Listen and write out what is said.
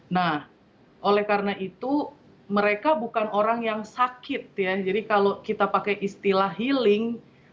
nah oleh karena itu mereka bukan orang yang sakit ya jadi kalau kita pakai istilah healing